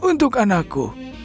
ini untuk anakku